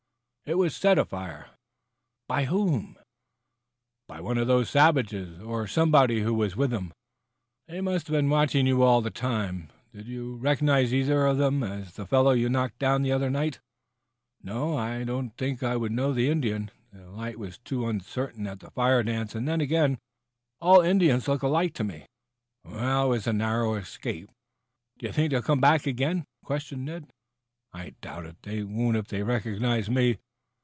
"It was set afire!" "By whom?" "By one of those savages, or by somebody who was with them. They must have been watching you all the time. Did you recognize either of them as the fellow you knocked down the other might?" "No; I don't think I would know the Indian. The light was too uncertain at the fire dance, and then again, all Indians look alike to me." "It was a narrow escape." "Do you think they'll come back again?" questioned Ned. "I doubt it. They won't if they recognized me.